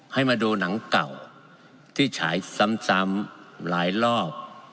ให้มาดูหนังเก่าที่ฉายซ้ำหลายรอบ